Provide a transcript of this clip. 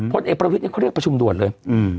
พลเอกประวิทย์เขาเรียกประชุมด่วนเลย